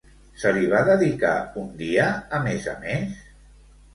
Se li va dedicar un dia, a més a més?